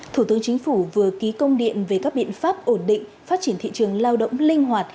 thủ tướng chính phủ vừa ký công điện về các biện pháp ổn định phát triển thị trường lao động linh hoạt